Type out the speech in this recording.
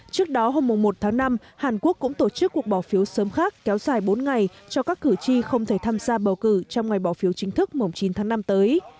trước đó hôm một tháng năm hàn quốc cũng tổ chức cuộc bỏ phiếu sớm khác kéo dài bốn ngày cho các cử tri không thể tham gia bầu cử trong ngày bỏ phiếu chính thức mùng chín tháng năm tới